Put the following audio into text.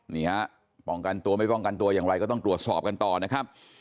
นี่ฮะป้องกันตัวไม่ป้องกันตัวอย่างไรก็ต้องตรวจสอบกันต่อนะครับ